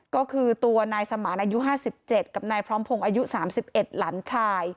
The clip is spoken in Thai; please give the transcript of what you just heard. ก็คือตัวนายสมานอายุห้าสิบเจ็ดกับนายพร้อมพงษ์อายุสามสิบเอ็ดหลันชาย